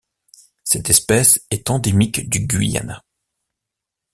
Cette espèce est endémique du Guyana.